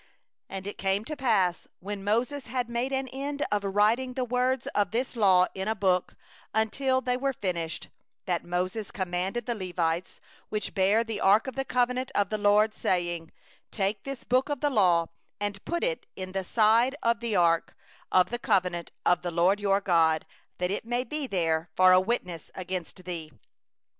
24And it came to pass, when Moses had made an end of writing the words of this law in a book, until they were finished, 25that Moses commanded the Levites, that bore the ark of the covenant of the LORD, saying: 26'Take this book of the law, and put it by the side of the ark of the covenant of the LORD your God, that it may be there for a witness against thee.